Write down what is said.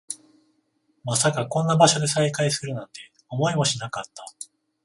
まさかこんな場所で再会するなんて、思いもしなかった